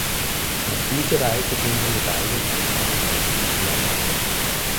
Auf diese Weise finden die beiden einsamen Herzen zueinander.